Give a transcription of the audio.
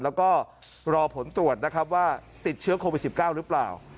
แล้วก็รอผลตรวจนะครับว่าติดเชื้อโควิด๑๙หรือเปล่า